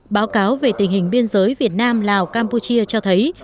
báo cáo về tình hình biên giới việt nam lào campuchia cho thấy